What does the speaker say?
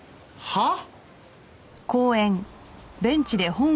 はあ？